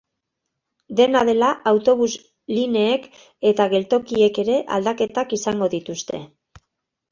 Dena dela, autobus lineek eta geltokiek ere aldaketak izango dituzte.